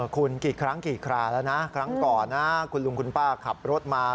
คุณกี่ครั้งกี่คราแล้วนะครั้งก่อนนะคุณลุงคุณป้าขับรถมา